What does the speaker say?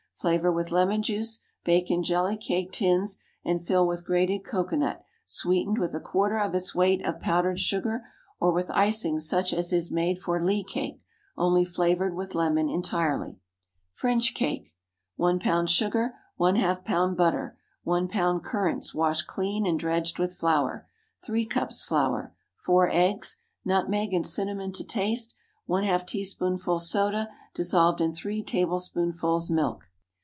Flavor with lemon juice. Bake in jelly cake tins, and fill with grated cocoanut, sweetened with a quarter of its weight of powdered sugar, or with icing such as is made for Lee cake, only flavored with lemon entirely. FRENCH CAKE. 1 lb. sugar. ½ lb. butter. 1 lb. currants, washed clean and dredged with flour. 3 cups flour. 4 eggs. Nutmeg and cinnamon to taste. ½ teaspoonful soda dissolved in three tablespoonfuls milk.